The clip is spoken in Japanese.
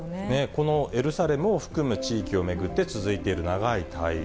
このエルサレムを含む地域を巡って続いている長い対立。